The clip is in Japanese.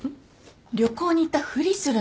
旅行に行ったふりするんですよ。